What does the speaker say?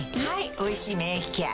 「おいしい免疫ケア」